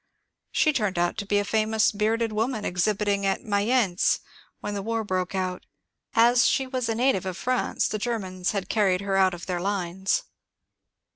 She turned out to be a famous ^^ bearded woman " exhibiting at Mayence when the war broke out. As she was a native of France the Germans had carried her out of their lines.